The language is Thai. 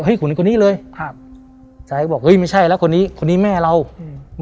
คนนี้คนนี้เลยครับชายก็บอกเฮ้ยไม่ใช่แล้วคนนี้คนนี้แม่เราอืม